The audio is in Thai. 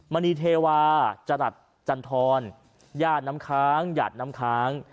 มณีเทวาจรัสจันทรญาติน้ำค้างหยาดน้ำค้าง